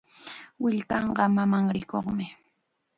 Willkanqa mamanrikuqmi.